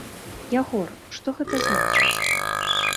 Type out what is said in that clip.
Ягор, што гэта значыць?